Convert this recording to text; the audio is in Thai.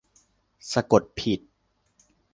สะกดผิด